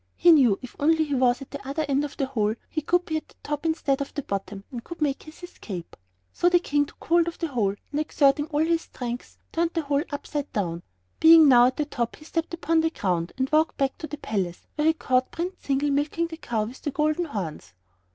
He knew if only he was at the other end of the hole, he would be at the top instead of the bottom, and could make his escape. So the King took hold of the hole, and exerting all his strength, turned the hole upside down. Being now at the top he stepped upon the ground and walked back to the palace, where he caught Prince Zingle milking the cow with the golden horns.